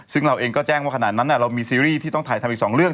ซึ่งเราเองก็แจ้งว่าขนาดนั้นเรามีซีรีส์ที่ต้องถ่ายทำอีก๒เรื่อง